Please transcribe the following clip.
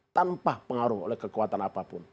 tanpa pengaruh oleh kekuatan apapun